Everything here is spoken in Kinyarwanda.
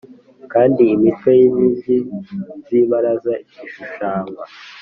Kandi imitwe y inkingi z ibaraza ishushanywa